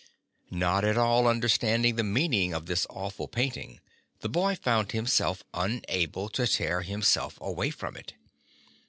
Not at all understanding the meaning of this awful painting the boy found himself unable to tear himself away from it.